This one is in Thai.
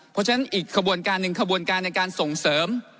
เพราะฉะนั้นอีกขบวนการหนึ่งขบวนการในการส่งเสริม